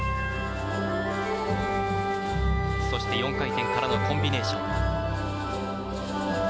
そして４回転からのコンビネーション。